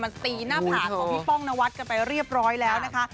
มันตีหน้าผากของพี่ป้องนวัดกันไปเรียบร้อยแล้วนะคะ